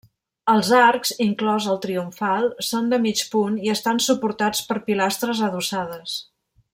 Els arcs, inclòs el triomfal, són de mig punt i estan suportats per pilastres adossades.